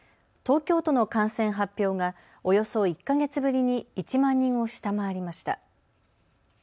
東京都の感染発表がおよそ１か月ぶりに１万人を下回りました。